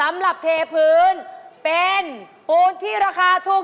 ไม่เป็นไรน้อง